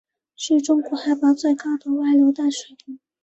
是中国海拔最高的外流淡水湖。